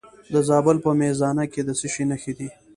د زابل په میزانه کې د څه شي نښې دي؟